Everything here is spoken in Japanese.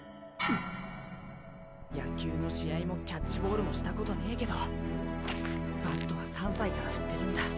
野球の試合もキャッチボールもしたことねえけどバットは３歳から振ってるんだ